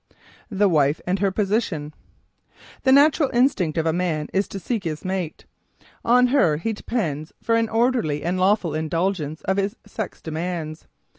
THE WIFE AND HER POSITION The natural instinct of a man is to seek his mate. On her he depends for an orderly and lawful indulgence of his sex demands.